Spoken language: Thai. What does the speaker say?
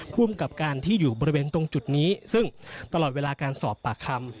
ภูมิกับการที่อยู่บริเวณตรงจุดนี้ซึ่งตลอดเวลาการสอบปากคำ